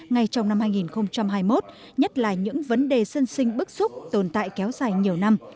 ngay trong năm hai nghìn hai mươi một nhất là những vấn đề sân sinh bức xúc tồn tại kéo dài nhiều năm